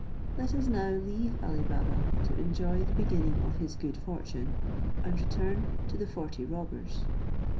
Let us now leave Ali Baba to enjoy the beginning of his good fortune, and return to the forty robbers.